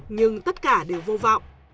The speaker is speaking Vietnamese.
nhưng tất cả đều vô vọng